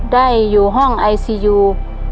ได้อยู่ห้องไอซียู